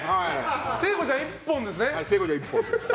聖子ちゃん１本ですね。